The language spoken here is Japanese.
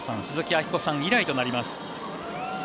鈴木明子さん以来となります。